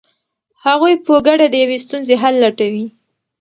هغوی په ګډه د یوې ستونزې حل لټوي.